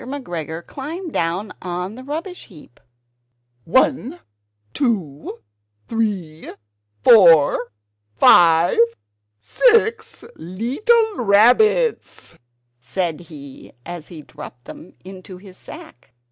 McGregor climbed down on to the rubbish heap "One, two, three, four! five! six leetle rabbits!" said he as he dropped them into his sack.